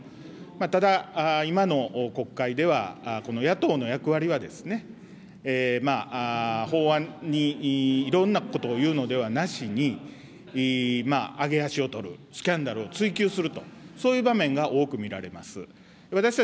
ただ、今の国会では、この野党の役割は、法案にいろんなことを言うのではなしに揚げ足を取る、スキャンダルを追及すると、そういう場面が多く見られました。